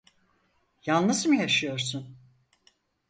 Yalnız mı yaşıyorsun?